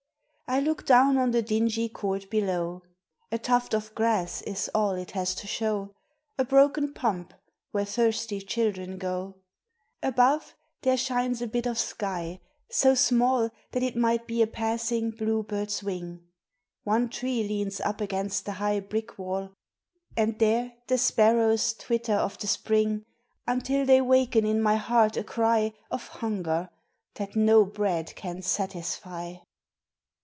I look down on the dingy court below: A tuft of grass is all it has to show, A broken pump, where thirsty children go. Above, there shines a bit of sky, so small That it might be a passing blue bird's wing. One tree leans up against the high brick wall, And there the sparrows twitter of the spring, Until they waken in my heart a cry Of hunger, that no bread can satisfy.